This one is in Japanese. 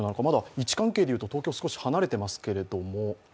位置関係で言うと東京は少し離れていますけれども。